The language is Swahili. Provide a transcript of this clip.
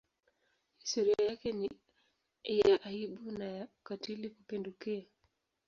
Historia yake ni ya aibu na ya ukatili kupindukia.